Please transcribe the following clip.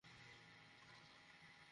তবে লেখা দেখে বুঝতে পারি।